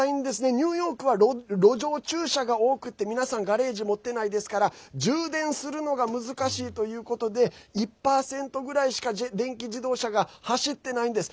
ニューヨークは路上駐車が多くて皆さんガレージ持っていないですから充電するのが難しいということで１％ぐらいしか電気自動車が走ってないんです。